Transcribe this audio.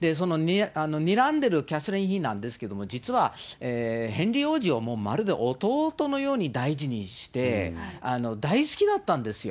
にらんでるキャサリン妃なんですけども、実は、ヘンリー王子をもうまるで弟のように大事にして、大好きだったんですよ。